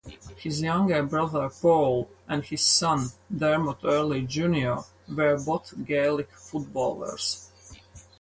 His younger brother, Paul and his son, Dermot Earley Junior were both gaelic footballers.